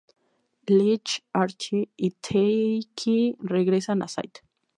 Leech, Artie, y Taki regresan a St.